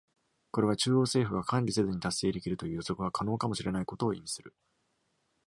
これは、中央政府が管理せずに達成できるという予測が可能かもしれないことを意味する。